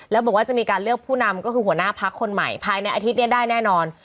แล้วบอกว่าจะมีการเลือกผู้นำก็คือหัวหน้าพักคนใหม่ภายในอาทิตย์นี้ได้แน่นอน